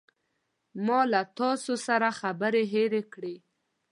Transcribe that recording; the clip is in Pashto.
ما له تاسو سره خبرې هیرې کړې.